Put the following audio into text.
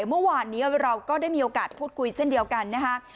เมื่อวานนี้เราก็ได้มีโอกาสพูดคุยเช่นเดียวกันนะคะ